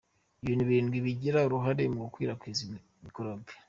Ibintu birindwi bigira uruhare mu gukwirakwiza mikorobe